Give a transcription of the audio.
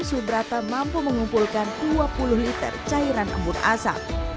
subrata mampu mengumpulkan dua puluh liter cairan embun asap